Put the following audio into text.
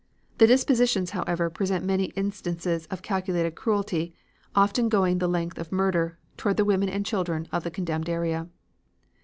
The depositions, however, present many instances of calculated cruelty, often going the length of murder, toward the women and children of the condemned area.